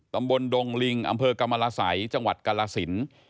ตำบลดงลิงอำเภอกรรมรสัยจังหวัดกาลสิน